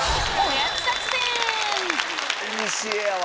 いにしえやわ。